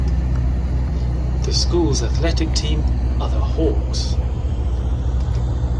The schools' athletic teams are the Hawks.